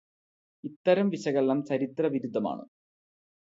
ഇത്തരം വിശകലനം ചരിത്രവിരുദ്ധമാണു.